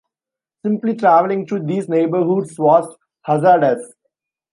Simply traveling to these neighborhoods was hazardous.